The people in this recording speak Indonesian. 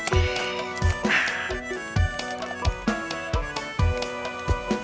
dan gue menggunakan